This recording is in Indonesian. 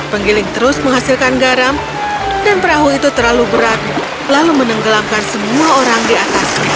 penggiling terus menghasilkan garam dan perahu itu terlalu berat lalu menenggelamkan semua orang di atas